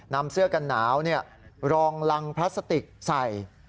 นำเสื้อกันหนาวรองรังพลาสติกใส่